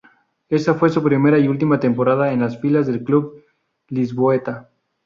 Esa fue su primera y última temporada en las filas del club lisboeta.